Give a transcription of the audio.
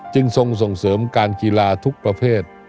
ทรงส่งเสริมการกีฬาทุกประเภท